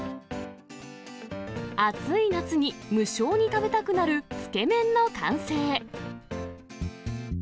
暑い夏に無性に食べたくなる、つけ麺の完成。